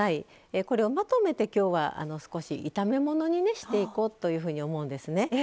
これをまとめて、きょうは少し炒め物にしていこうというふうに思うんですよね。